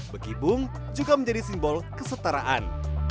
bekibung juga menjadi simbol kesetaraan